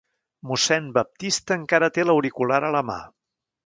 Mossèn Baptista encara té l'auricular a la mà.